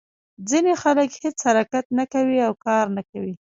ځینې خلک هېڅ حرکت نه کوي او کار نه کوي.